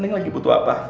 nenek lagi butuh apa